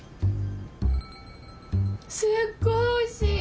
すっごいおいしい。